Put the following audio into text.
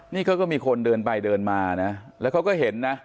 นี่เขาก็มีคนเดินไปเดินมานะแล้วเขาก็เห็นนะ